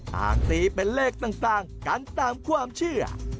ต่างตีเป็นเลขต่างกันตามความเชื่อ